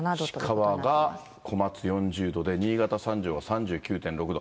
石川が小松４０度で、新潟・三条が３９．６度。